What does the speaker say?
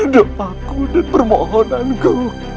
doa aku dan permohonanku